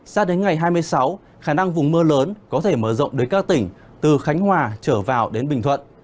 sao đến ngày hai mươi sáu khả năng vùng mưa lớn có thể mở rộng đến các tỉnh từ khánh hòa trở vào đến bình thuận